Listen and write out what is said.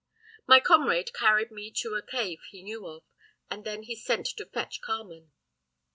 My comrade carried me to a cave he knew of, and then he sent to fetch Carmen.